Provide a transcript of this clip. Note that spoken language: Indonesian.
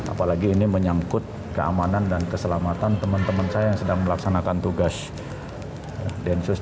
apalagi ini menyangkut keamanan dan keselamatan teman teman saya yang sedang melaksanakan tugas densus